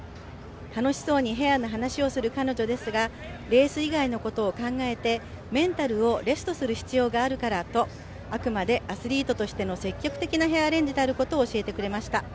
楽しそうにヘアの話をする彼女ですが、レース以外のことを考えてメンタルをレストする必要があるからとあくまでアスリートとしての積極的なヘアアレンジであることを教えてくれました。